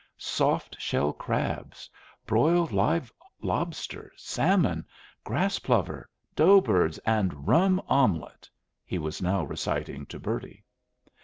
"Soft shell crabs, broiled live lobster, salmon, grass plover, dough birds, and rum omelette," he was now reciting to Bertie.